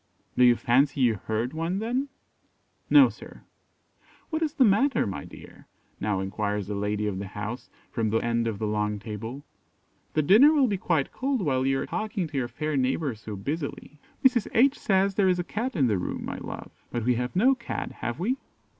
"Do you fancy you heard one then?" "No, sir." "What is the matter, my dear?" now enquires the lady of the house, from the end of the long table; "the dinner will be quite cold while you are talking to your fair neighbour so busily." "Mrs. H says there is a Cat in the room, my love; but we have no Cat, have we?"